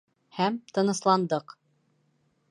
Һәм тынысландыҡ.